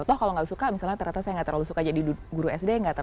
atau kalau gak suka misalnya ternyata saya gak terlalu suka jadi guru sd